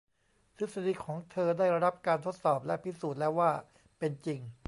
ทฤษฎีของเธอได้รับการทดสอบ และพิสูจน์แล้วว่าเป็นจริง